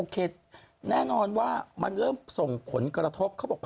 เขาบอกว่าเป็นวันที่๓แล้ว